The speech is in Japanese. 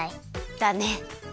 だね。